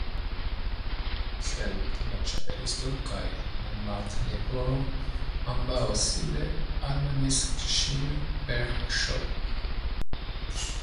Sed la Ĉapelisto kaj la Martleporo ambaŭ sible admonis ŝin per Ŝ!